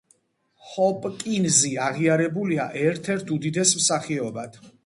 ჰოპკინზი აღიარებულია ერთ-ერთ უდიდეს მსახიობად.